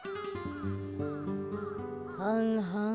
はんはん。